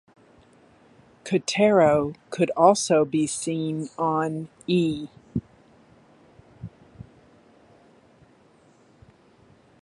Kotero could also be seen on E!